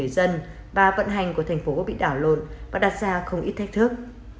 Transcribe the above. dân và vận hành của thành phố bị đảo lộn và đặt ra không ít thách thức